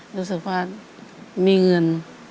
รู้สึกว่ามีเงิน